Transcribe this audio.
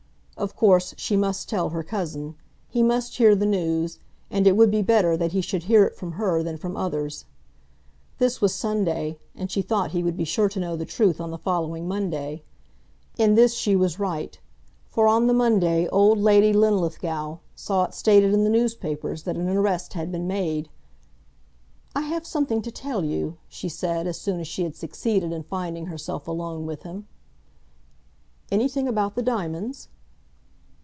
Of course she must tell her cousin. He must hear the news, and it would be better that he should hear it from her than from others. This was Sunday, and she thought he would be sure to know the truth on the following Monday. In this she was right; for on the Monday old Lady Linlithgow saw it stated in the newspapers that an arrest had been made. "I have something to tell you," she said, as soon as she had succeeded in finding herself alone with him. "Anything about the diamonds?"